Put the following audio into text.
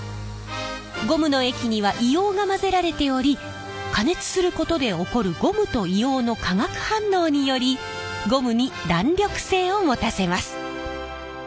ゴムの液には硫黄が混ぜられており加熱することで起こるゴムと硫黄の化学反応によりゴムに弾力性を持たせます。